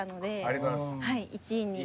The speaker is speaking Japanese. はい１位に。